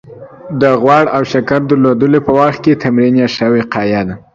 د غوړ او د شکر درلودلو په وخت کې تمرین يې ښه وقايه ده